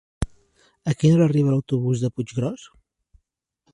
A quina hora arriba l'autobús de Puiggròs?